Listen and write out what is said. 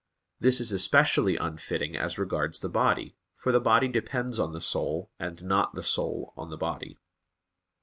This is especially unfitting as regards the body, for the body depends on the soul, and not the soul on the body.